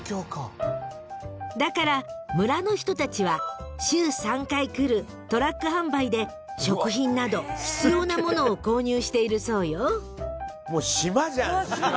［だから村の人たちは週３回来るトラック販売で食品など必要なものを購入しているそうよ］